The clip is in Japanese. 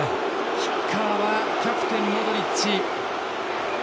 キッカーはキャプテン、モドリッチ。